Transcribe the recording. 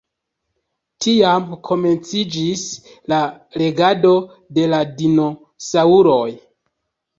Tiam komenciĝis la regado de la dinosaŭroj.